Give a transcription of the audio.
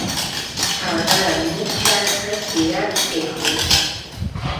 هغه موږ ته ښه سیرت پرېښود.